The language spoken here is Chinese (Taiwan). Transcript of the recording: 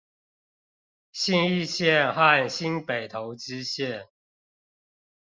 信義線和新北投支線